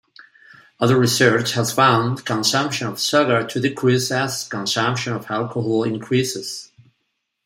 Other research has found consumption of sugar to decrease as consumption of alcohol increases.